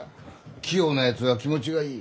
器用なやつは気持ちがいい。